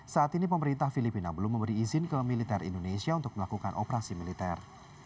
saat ini pemerintah filipina belum memberi izin ke militer indonesia untuk melakukan operasi militer